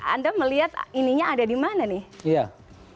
anda melihat ininya ada dimana nih